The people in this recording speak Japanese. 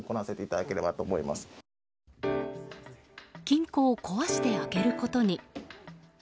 金庫を壊して開けることに。